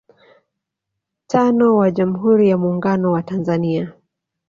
tano wa Jamhuri ya Muungano wa Tanzania